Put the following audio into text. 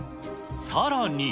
さらに。